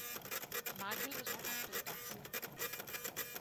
Magill was not up to the task.